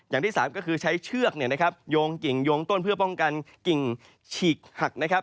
อย่างที่สามก็คือใช้เชือกโยงกิ่งโยงต้นเพื่อป้องกันกิ่งฉีกหักนะครับ